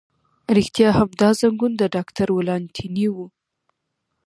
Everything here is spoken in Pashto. رښتیا هم، دا زنګون د ډاکټر ولانتیني و.